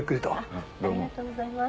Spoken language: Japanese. ありがとうございます。